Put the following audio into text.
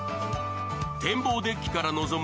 展望デッキから望む